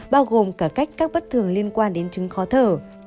bao gồm cả cách các bất thường liên quan đến chứng khó thở